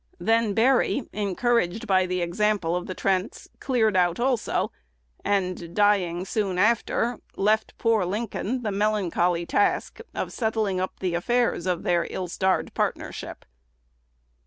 Then Berry, encouraged by the example of the Trents, "cleared out" also, and, dying soon after, left poor Lincoln the melancholy task of settling up the affairs of their ill starred partnership.